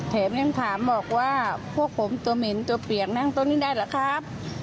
แถมยังถามบอกว่าพวกผมตัวเหม็นตัวเปียกนั่งโต๊ะนี้ได้หรือครับ